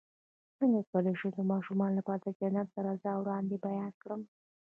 څنګه کولی شم د ماشومانو لپاره د جنت د رضا وړاندې بیان کړم